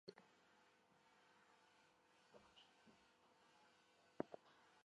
গ্যালারির দেয়ালের সামনে দিয়ে যেতে যেতে কিছু কিছু দৃশ্যে এসে চোখ আটকে যায়।